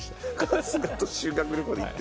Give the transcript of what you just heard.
春日と修学旅行で行って。